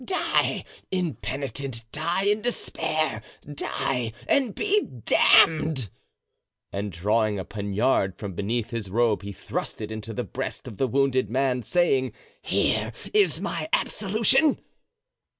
Die, impenitent, die in despair, die and be damned!" And drawing a poniard from beneath his robe he thrust it into the breast of the wounded man, saying, "Here is my absolution!"